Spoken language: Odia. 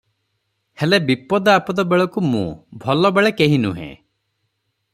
ହେଲେ, ବିପଦ ଆପଦ ବେଳକୁ ମୁଁ --ଭଲବେଳେ କେହିନୁହେଁ ।